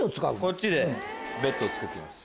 こっちでベッドを作っていきます。